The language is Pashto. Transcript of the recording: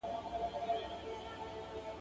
تر بې عقل دوست، هوښيار دښمن ښه دئ.